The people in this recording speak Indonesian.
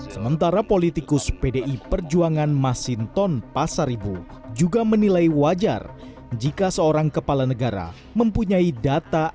sementara politikus pdi perjuangan masinton pasaribu juga menilai wajar jika seorang kepala negara mempunyai data